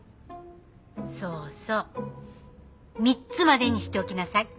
そうそう３つまでにしておきなさい。